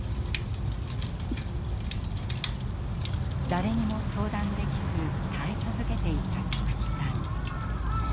誰にも相談できず耐え続けていた菊池さん。